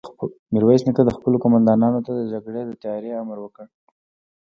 ميرويس نيکه خپلو قوماندانانو ته د جګړې د تياري امر وکړ.